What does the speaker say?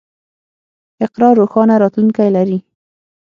اقرا روښانه راتلونکی لري.